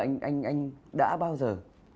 anh đã bao giờ